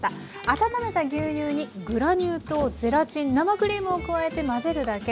温めた牛乳にグラニュー糖ゼラチン生クリームを加えて混ぜるだけ。